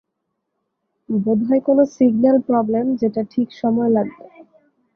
বোধহয় কোন signal problem যেটা ঠিক সময় লাগবে।